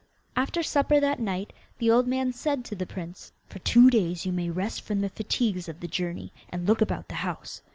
After supper that night, the old man said to the prince, 'For two days you may rest from the fatigues of the journey, and look about the house.